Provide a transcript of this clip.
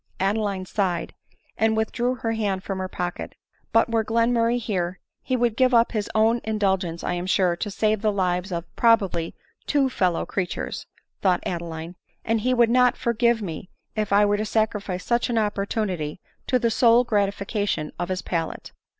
Adeline sighed, and withdrew her hand from her pocket. " But were Glenmurray here, he would give up his own indulgence, I am sure, to save the lives of, probably, two fellow creatures," thought Adeline; " and he would not forgive me if I were to sacrifice such an opportunity to the sole gratification of his palate."